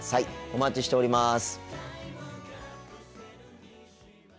お待ちしております。